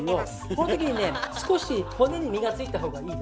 この時にね少し骨に身がついた方がいいです。